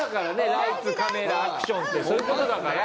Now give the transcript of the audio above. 「ライトカメラアクション」ってそういう事だから。